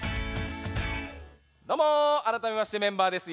どうもあらためましてメンバーです。